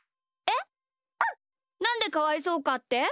なんでかわいそうかって？